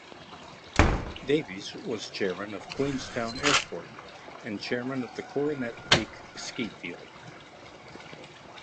Davies was chairman of Queenstown Airport and chairman of the Coronet Peak ski field.